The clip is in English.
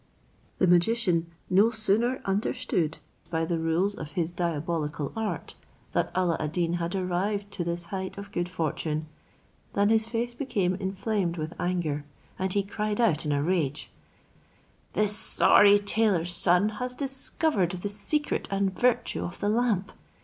The magician no sooner understood by the rules of his diabolical art, that Alla ad Deen had arrived to this height of good fortune, than his face became inflamed with anger, and he cried out in a rage, "This sorry tailor's son has discovered the secret and virtue of the lamp!